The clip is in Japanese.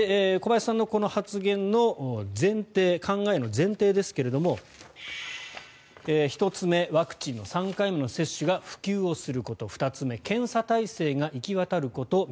小林さんのこの発言の前提考えの前提ですけれど１つ目、ワクチンの３回目の接種が普及をすること２つ目、検査体制が行き渡ること。